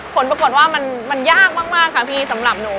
ผลปรากฏว่ามันยากมากค่ะพี่สำหรับหนู